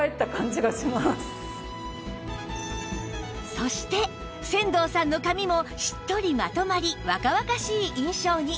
そして千導さんの髪もしっとりまとまり若々しい印象に